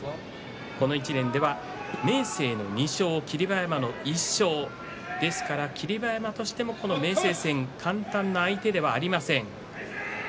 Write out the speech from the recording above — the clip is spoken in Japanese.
この１年では明生の２勝霧馬山の１勝霧馬山としてもこの明生戦簡単な相手ではありません。